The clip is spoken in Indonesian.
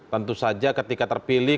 tentu saja ketika terpilih